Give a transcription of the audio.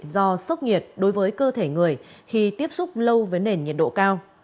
do sốc nhiệt đối với cơ thể người khi tiếp xúc lâu với nền nhiệt độ cao